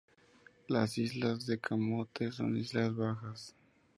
Las islas de las Camotes son islas bajas.